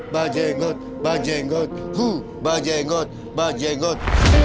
bajenggot bajenggot hu bajenggot bajenggot